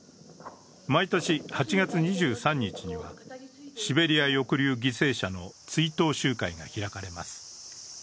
毎年８月２３日には、シベリア抑留犠牲者の追悼集会が開かれます。